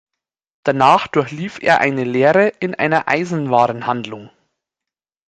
Danach durchlief er eine Lehre in einer Eisenwarenhandlung.